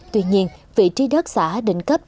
tuy nhiên vị trí đất xã định cấp